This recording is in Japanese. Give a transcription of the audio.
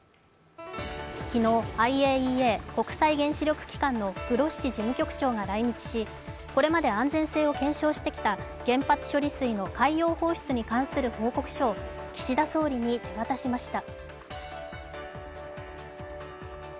昨日、ＩＡＥＡ＝国際原子力機関のグロッシ事務局長が来日し、これまで安全性を検証してきた原発処理水の海洋放出に関する報告書を岸田総理に手渡しました。